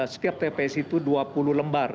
setiap tps itu dua puluh lembar